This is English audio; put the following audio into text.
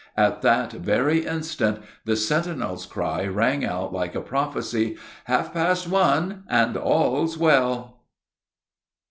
At that very instant the sentinel's cry rang out like a prophecy "Half past one, and all's well!"